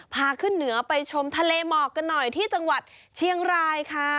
พาขึ้นเหนือไปชมทะเลหมอกกันหน่อยที่จังหวัดเชียงรายค่ะ